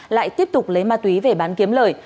lại tiếp tục lấy ma túy về bán kiếm lời